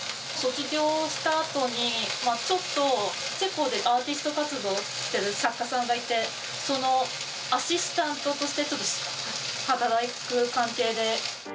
卒業したあとに、ちょっとチェコでアーティスト活動してる作家さんがいて、そのアシスタントとしてちょっと働く関係で。